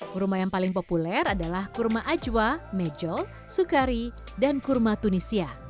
kurma yang paling populer adalah kurma ajwa mejol sukari dan kurma tunisia